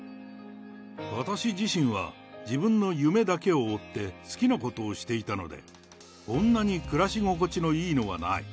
私自身は自分の夢だけを追って、好きなことをしていたので、こんなに暮らし心地のいいのはない。